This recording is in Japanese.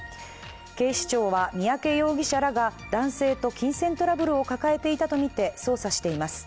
警視庁は三宅容疑者らが男性と金銭トラブルを抱えていたとみて捜査しています。